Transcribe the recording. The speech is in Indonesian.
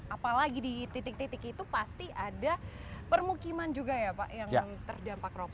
apalagi di titik titik itu pasti ada permukiman juga ya pak yang terdampak